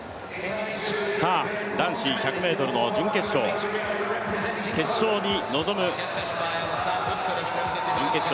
男子１００ｍの準決勝、決勝に臨む準決勝